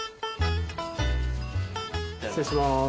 失礼します。